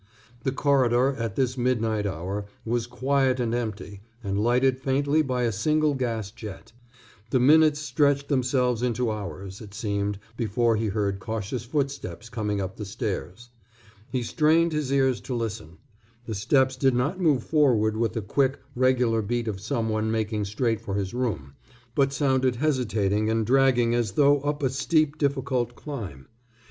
The corridor, at this midnight hour, was quiet and empty and lighted faintly by a single gas jet. The minutes stretched themselves into hours, it seemed, before he heard cautious footsteps coming up the stairs. He strained his ears to listen. The steps did not move forward with the quick, regular beat of someone making straight for his room, but sounded hesitating and dragging as though up a steep, difficult climb.